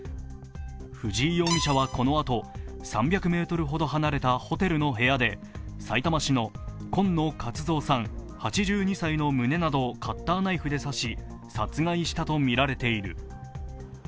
藤井容疑者はこのあと３００ｍほど離れたホテルの部屋でさいたま市の今野勝蔵さん、８２歳の胸などをカッターナイフで刺し、殺害したとみられている。